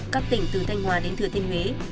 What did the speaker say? các tỉnh từ thanh hòa đến thừa thiên huế